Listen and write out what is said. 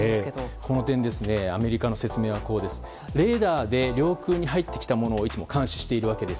この点、アメリカの説明はレーダーで領空に入ってきたものをいつも監視しているわけです。